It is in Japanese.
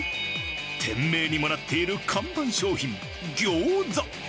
店名にもなっている看板商品餃子。